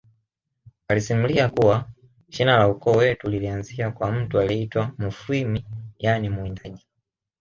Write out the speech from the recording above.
alisimulia kuwa shina la ukoo wetu linaanzia kwa mtu aliyeitwa mufwimi yaani mwindaji